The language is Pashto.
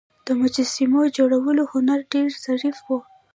د مجسمو جوړولو هنر ډیر ظریف و